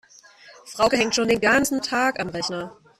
Frauke hängt schon den ganzen Tag am Rechner.